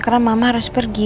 karena mama harus pergi